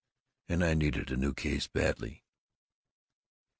And I needed a new case badly."